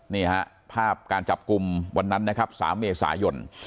นี่ฮะภาพการจับกลุ่มวันนั้นนะครับ๓เมษายน